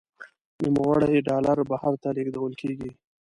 نوموړي ډالر بهر ته لیږدول کیږي.